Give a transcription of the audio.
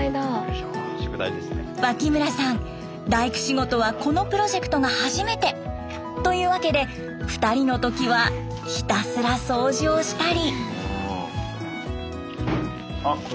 脇村さん大工仕事はこのプロジェクトが初めて！というわけで２人の時はひたすら掃除をしたり。